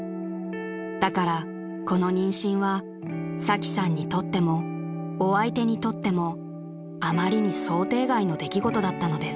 ［だからこの妊娠はサキさんにとってもお相手にとってもあまりに想定外の出来事だったのです］